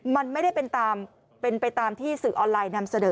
มันไม่ได้เป็นไปตามที่สื่อออนไลน์นำเสนอ